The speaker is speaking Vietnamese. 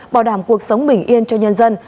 bảo đảm cuộc sống bình yên cho nhân dân